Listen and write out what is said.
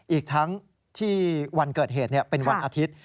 อีกทั้งที่วันเกิดเหตุเป็นวันอาทิตย์